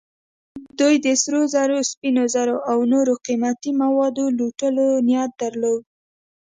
دوی د سرو زرو، سپینو زرو او نورو قیمتي موادو لوټلو نیت درلود.